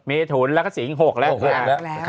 เมธตุ๋นแล้วก็สิง๖แล้วค่ะ